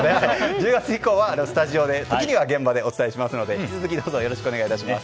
１０月以降はスタジオで時には現場でお伝えしますので引き続きどうぞよろしくお願いします。